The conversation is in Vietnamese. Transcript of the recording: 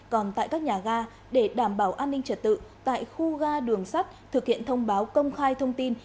còn tại các nhà ga để đảm bảo an ninh trật tự tại khu ga đường sắt thực hiện thông báo công khai thông tin